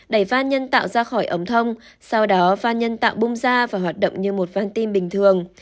đẩy văn nhân tạo ra khỏi ống thông sau đó văn nhân tạo bung ra và hoạt động như một văn tim bình thường